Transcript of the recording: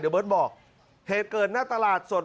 เดี๋ยวเบิร์ตบอกเหตุเกิดหน้าตลาดสด